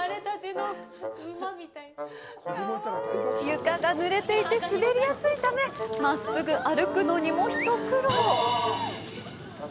床がぬれていて滑りやすいため、真っすぐ歩くのにも一苦労。